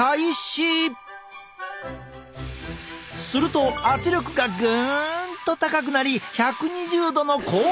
すると圧力がグンと高くなり１２０度の高温に！